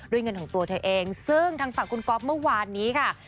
เงินของตัวเธอเองซึ่งทางฝั่งคุณก๊อฟเมื่อวานนี้ค่ะ